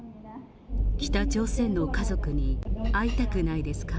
北朝鮮の家族に会いたくないですか？